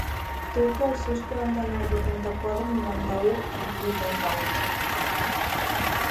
Truca al sis, quaranta-nou, vuitanta-quatre, noranta-u, vuitanta-u.